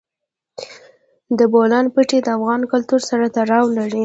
د بولان پټي د افغان کلتور سره تړاو لري.